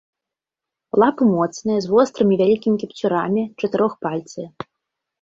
Лапы моцныя, з вострымі і вялікімі кіпцюрамі, чатырохпальцыя.